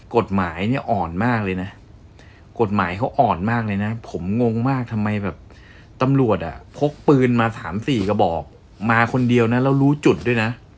กฎหมายเนี่ยอ่อนมากเลยนะกฎหมายเขาอ่อนมากเลยนะผมงงมากทำไมแบบตำรวจอ่ะพกปืนมา๓๔กระบอกมาคนเดียวนะแล้วรู้จุดด้วยนะ